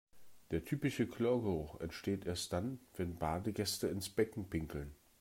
Der typische Chlorgeruch entsteht erst dann, wenn Badegäste ins Becken pinkeln.